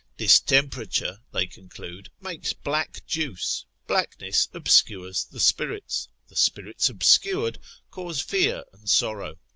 Distemperature, they conclude, makes black juice, blackness obscures the spirits, the spirits obscured, cause fear and sorrow.